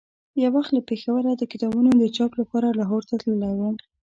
یو وخت له پېښوره د کتابونو د چاپ لپاره لاهور ته تللی وم.